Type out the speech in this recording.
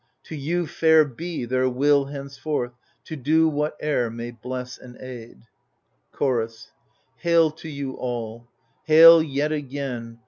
To you Fair be their will henceforth, to do Whatever may bless and aid t Chorus Hail to you all t hail yet again.